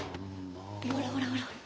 ほらほらほらほら。